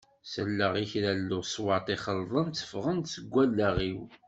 Selleɣ i kra n leṣwat ixelḍen tteffɣen-d seg wallaɣ-iw.